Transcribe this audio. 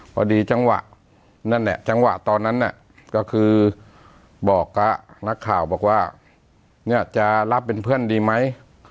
พอดีจังหวะนั่นเนี่ยจังหวะตอนนั้นน่ะก็คือบอกกับนักข่าวบอกว่าเนี่ยจะรับเป็นเพื่อนดีไหม